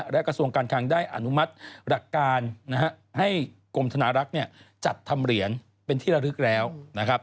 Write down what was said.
และกระทรวงการคังได้อนุมัติหลักการนะฮะให้กรมธนารักษ์จัดทำเหรียญเป็นที่ระลึกแล้วนะครับ